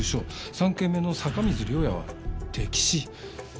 ３件目の坂水涼也は溺死。